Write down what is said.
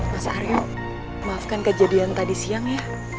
mas aryo maafkan kejadian tadi siang ya